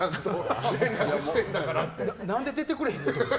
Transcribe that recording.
何で出てくれへんのって。